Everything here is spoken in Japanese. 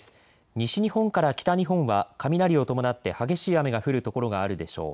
西日本から北日本は雷を伴って激しい雨が降る所があるでしょう。